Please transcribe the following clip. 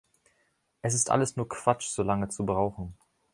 Es ist alles nur Quatsch, so lange zu brauchen.